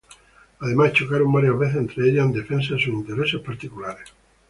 Además chocaron varias veces entre ellas en defensa de sus intereses particulares.